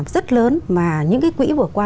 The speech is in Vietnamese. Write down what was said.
rất lớn mà những cái quỹ vừa qua